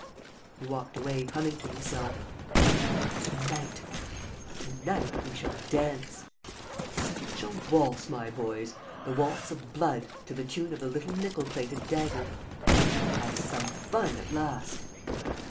..." He walked away humming to himself: "To night ... to night ... we shall dance. ... Such a waltz, my boys! The waltz of blood, to the tune of the little nickel plated dagger! ... We shall have some fun, at last!